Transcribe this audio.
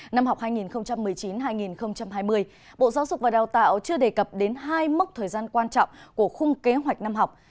năm học hai nghìn một mươi chín hai nghìn hai mươi bộ giáo dục và đào tạo chưa đề cập đến hai mốc thời gian quan trọng của khung kế hoạch năm học